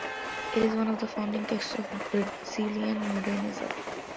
It is one of the founding texts of Brazilian modernism.